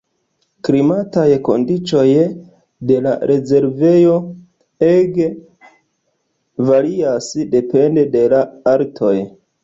Klimataj kondiĉoj de la rezervejo ege varias depende de la altoj.